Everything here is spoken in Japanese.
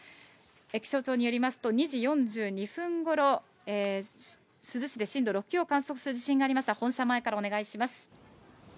気象庁によりますと、２時４２分ごろ、珠洲市で震度６強を観測する地震がありました。